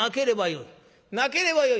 なければよい。